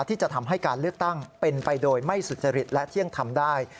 ที่จะทำให้การเลือกตั้งเป็นไปโดยไม่สุจริตและเที่ยงทำได้